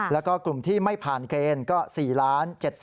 แล้วก็กลุ่มที่ไม่ผ่านเกณฑ์ก็๔๗๐๐